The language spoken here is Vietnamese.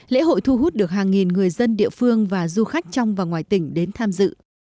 lễ hội thu hút được hàng nghìn người dân địa phương và du khách trong và ngoài tỉnh đến tham dự